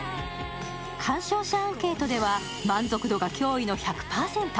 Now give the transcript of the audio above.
鑑賞者アンケートでは満足度が驚異の１００％。